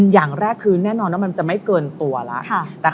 อย่างแรกคือแน่นอนว่ามันจะไม่เกินตัวแล้ว